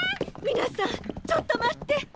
みなさんちょっとまって！